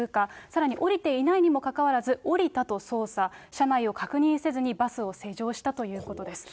さらに降りていないにもかかわらず、降りたと操作、車内を確認せずにバスを施錠したということです。